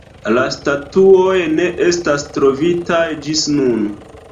La statuoj ne estas trovitaj ĝis nun.